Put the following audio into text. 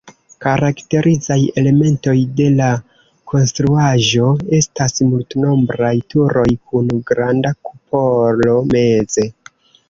Karakterizaj elementoj de la konstruaĵo estas multnombraj turoj kun granda kupolo meze.